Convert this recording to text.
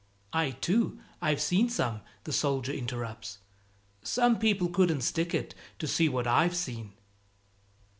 "I too, I've seen some!" the soldier interrupts; "some people couldn't stick it, to see what I've seen."